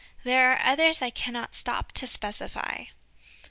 There are others I cannot stop to specify.